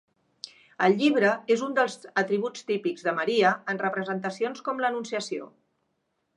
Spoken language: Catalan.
El llibre és un dels atributs típics de Maria en representacions com l'Anunciació.